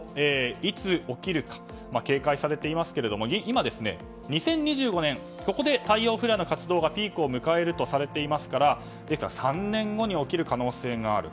いつ起きるか警戒されていますけども２０２５年ここで太陽フレアの活動がピークを迎えるとされていますからですから３年後に起きる可能性がある。